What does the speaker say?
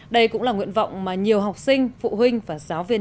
đây cũng là nguyện vọng mà nhiều học sinh phụ huynh và giáo viên